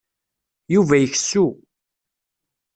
Yuba ikessu.